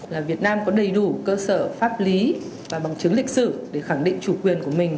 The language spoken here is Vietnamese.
là việt nam có đầy đủ cơ sở pháp lý và bằng chứng lịch sử để khẳng định chủ quyền của mình